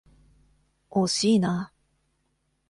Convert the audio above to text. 惜しいな。